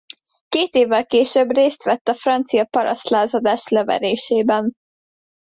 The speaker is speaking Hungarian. Két évvel később részt vett a francia parasztlázadás leverésében.